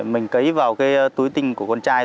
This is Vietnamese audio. mình cấy vào cái túi tinh của con chai